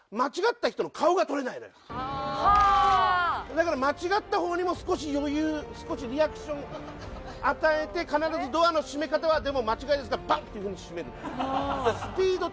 だから間違った方にも少し余裕少しリアクション与えて必ずドアの閉め方はでも間違いですからバン！っていう風に閉める。